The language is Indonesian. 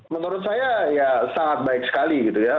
menurut saya ya sangat baik sekali gitu ya